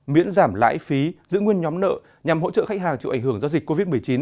miễn giảm lãi phí giữ nguyên nhóm nợ nhằm hỗ trợ khách hàng chịu ảnh hưởng do dịch covid một mươi chín